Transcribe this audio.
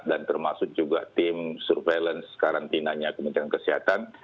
dan termasuk juga tim surveillance karantinanya kementerian kesehatan